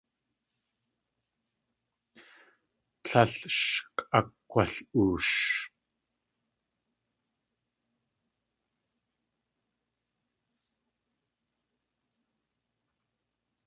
Tlél sh k̲ʼakg̲wal.oosh.